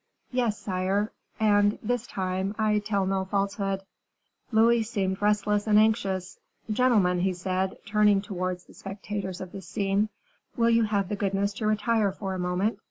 "Yes, sire, and, this time, I tell no falsehood." Louis seemed restless and anxious. "Gentlemen," he said, turning towards the spectators of this scene, "will you have the goodness to retire for a moment.